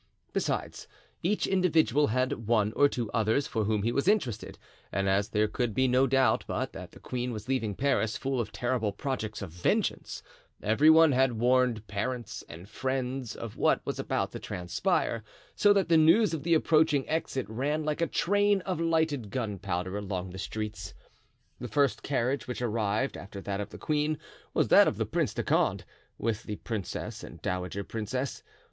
Besides, each individual had one or two others for whom he was interested; and as there could be no doubt but that the queen was leaving Paris full of terrible projects of vengeance, every one had warned parents and friends of what was about to transpire; so that the news of the approaching exit ran like a train of lighted gunpowder along the streets. The first carriage which arrived after that of the queen was that of the Prince de Condé, with the princess and dowager princess.